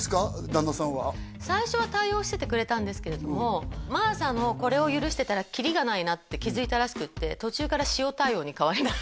旦那さんは最初は対応しててくれたんですけれども真麻のこれを許してたらキリがないなって気づいたらしくって何年目ぐらい？